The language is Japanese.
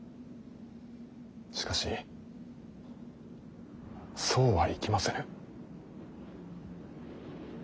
しかしそうはいきませぬ。